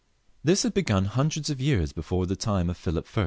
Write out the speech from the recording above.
This had begun hundreds of years before the time of Philip I.